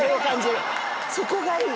そこがいい。